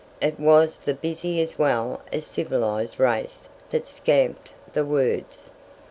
It was the busy as well as civilized race that scamped the words.